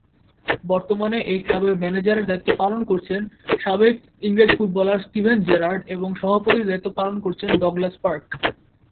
বর্তমানে এই ক্লাবের ম্যানেজারের দায়িত্ব পালন করছেন সাবেক ইংরেজ ফুটবলার স্টিভেন জেরার্ড এবং সভাপতির দায়িত্ব পালন করছেন ডগলাস পার্ক।